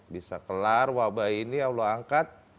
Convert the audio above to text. bisa kelar wabah ini allah angkat